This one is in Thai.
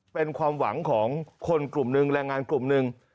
เป็นความหวังของคนกลุ่มหนึ่งแรงงานกลุ่มหนึ่ง